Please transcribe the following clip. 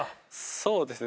そうですね。